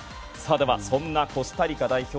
では、そんなコスタリカ代表